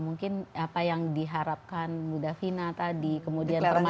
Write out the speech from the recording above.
mungkin apa yang diharapkan budafina tadi kemudian permasalahan